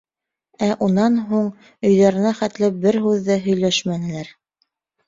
Ә унан һуң өйҙәренә хәтле бер һүҙ ҙә һөйләшмәнеләр.